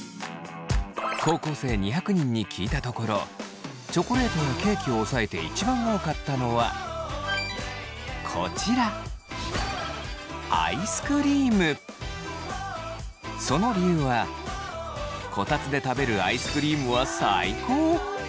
高校生２００人に聞いたところチョコレートやケーキを抑えて一番多かったのはこちらその理由はこたつで食べるアイスクリームは最高！